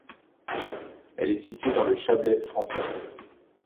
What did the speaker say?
Elle est située dans le Chablais français.